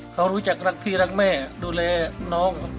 เขารู้จักรักพี่รักแม่ดูแลน้อง